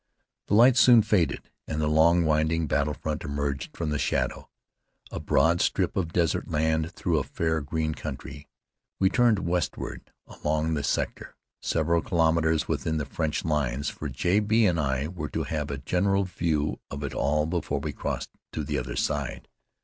The lights soon faded and the long, winding battle front emerged from the shadow, a broad strip of desert land through a fair, green country. We turned westward along the sector, several kilometres within the French lines, for J. B. and I were to have a general view of it all before we crossed to the other side.